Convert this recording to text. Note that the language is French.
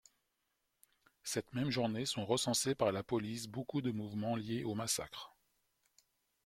Cette même journée sont recensés par la police beaucoup de mouvements liés au massacre.